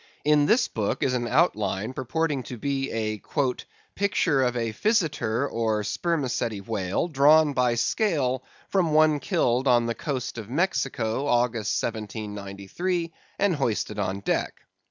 In this book is an outline purporting to be a "Picture of a Physeter or Spermaceti whale, drawn by scale from one killed on the coast of Mexico, August, 1793, and hoisted on deck."